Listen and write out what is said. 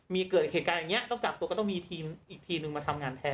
มีเกิดเหตุการณ์อย่างนี้ต้องกลับตัวก็ต้องมีทีมอีกทีนึงมาทำงานแทน